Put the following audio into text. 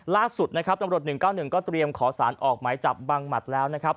ล่าสุดนะครับตำรวจ๑๙๑ก็เตรียมขอสารออกหมายจับบังหมัดแล้วนะครับ